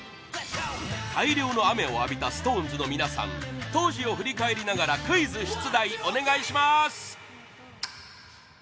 大量の雨を浴びたＳｉｘＴＯＮＥＳの皆さん当時を振り返りながらクイズ出題お願いします